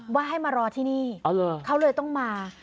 ว่าให้มารอที่นี่เขาเลยต้องมา